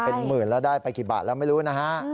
เป็นหมื่นแล้วได้ไปกี่บาทแล้วไม่รู้นะฮะ